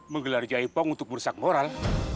menggelar jaipong untuk merusak moral